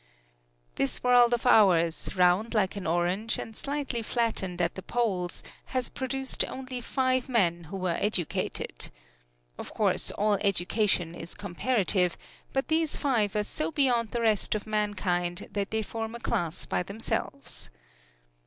This world of ours, round like an orange and slightly flattened at the poles, has produced only five men who were educated. Of course all education is comparative; but these five are so beyond the rest of mankind that they form a class by themselves.